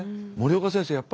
森岡先生